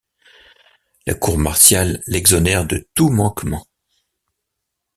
La cour martiale l'exonère de tout manquement.